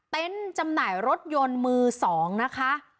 เต็นต์จำหน่ายรถยนต์มือ๒นะคะ